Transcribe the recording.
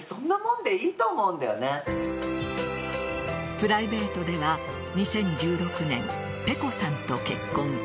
プライベートでは、２０１６年ｐｅｃｏさんと結婚。